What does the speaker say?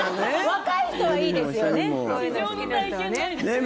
若い人はいいですよね。